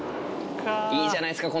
いいじゃないですか！